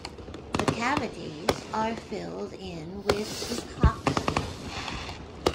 The cavities are filled in with epoxy.